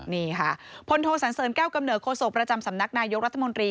นี่ค่ะพลโทสันเสริญแก้วกำเนิดโศกประจำสำนักนายกรัฐมนตรี